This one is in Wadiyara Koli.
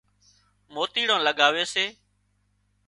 موتيڙان لڳاوي سي